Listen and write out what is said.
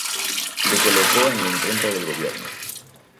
Le colocó en la imprenta del Gobierno.